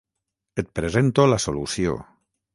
Et presento la solució.